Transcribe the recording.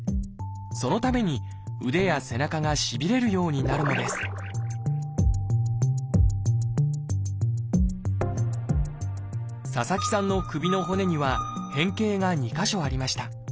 そのために腕や背中がしびれるようになるのです佐々木さんの首の骨には変形が２か所ありました。